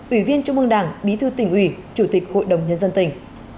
ủy viên trung mương đảng bí thư tỉnh ủy chủ tịch hội đồng nhân dân tỉnh